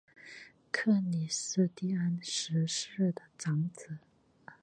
克里斯蒂安十世的长子。